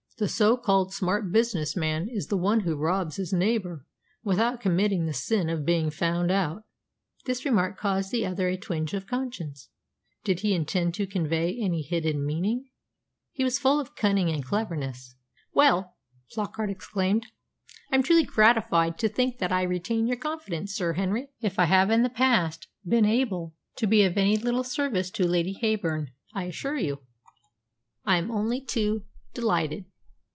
The so called smart business man is the one who robs his neighbour without committing the sin of being found out." This remark caused the other a twinge of conscience. Did he intend to convey any hidden meaning? He was full of cunning and cleverness. "Well," Flockart exclaimed, "I'm truly gratified to think that I retain your confidence, Sir Henry. If I have in the past been able to be of any little service to Lady Heyburn, I assure you I am only too delighted.